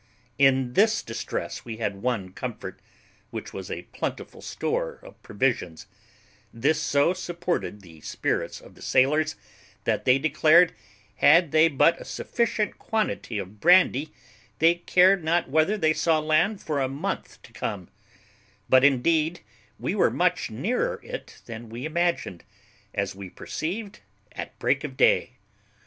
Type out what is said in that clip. In this distress we had one comfort, which was a plentiful store of provisions; this so supported the spirits of the sailors, that they declared had they but a sufficient quantity of brandy they cared not whether they saw land for a month to come; but indeed we were much nearer it than we imagined, as we perceived at break of day.